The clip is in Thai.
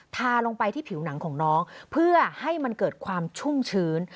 ทาลงไปที่ผิวหนังของน้องเพื่อให้มันเกิดความชุ่มชื้น